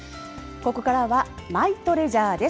ここからは、マイトレジャーです。